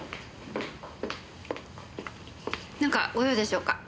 なんかご用でしょうか？